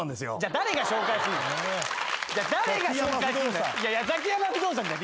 誰が紹介するんだよ。